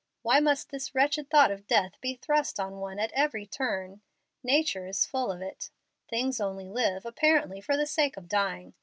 Why must this wretched thought of death be thrust on one at every turn? Nature is full of it. Things only live, apparently, for the sake of dying.